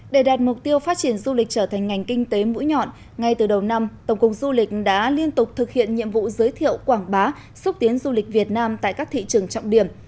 để đạt mục tiêu phát triển du lịch trở thành ngành kinh tế mũi nhọn ngay từ đầu năm tổng cục du lịch đã liên tục thực hiện nhiệm vụ giới thiệu quảng bá xúc tiến du lịch việt nam tại các thị trường trọng điểm